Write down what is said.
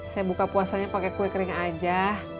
saya buka puasanya pakai kue kering aja